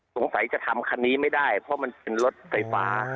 สงสัยจะทำคันนี้ไม่ได้เพราะมันเป็นรถไฟฟ้า